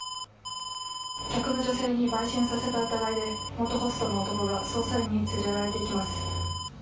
客の女性に売春させた疑いで元ホストの男が捜査員に連れられていきます。